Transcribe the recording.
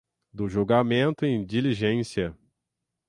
do julgamento em diligência